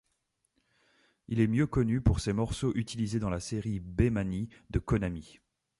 Il est mieux connu pour ses morceaux utilisés dans la série Bemani de Konami.